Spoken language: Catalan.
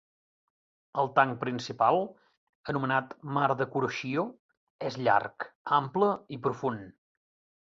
El tanc principal, anomenat mar de Kuroshio, és llarg, ample i profund.